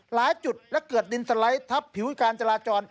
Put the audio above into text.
หลายจุดและเกิดดินสไลด์ทับผิวการจราจร